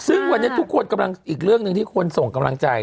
ซึ่งวันนี้ทุกคนกำลังอีกเรื่องหนึ่งที่ควรส่งกำลังใจ